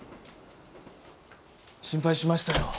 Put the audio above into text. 心配しましたよ。